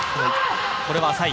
これは浅い。